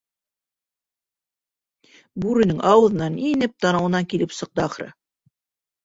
Бүренең ауыҙынан инеп, танауынан килеп сыҡты, ахырыһы.